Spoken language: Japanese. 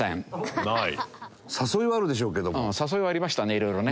誘いはありましたね色々ね。